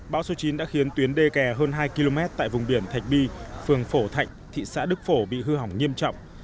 bão số chín đã khiến tuyến đê kè hơn hai km tại vùng biển thạch bi phường phổ thạnh thị xã đức phổ bị hư hỏng nghiêm trọng